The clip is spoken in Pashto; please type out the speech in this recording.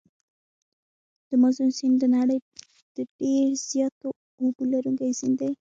د مازون سیند د نړۍ د ډېر زیاتو اوبو لرونکي سیند دی.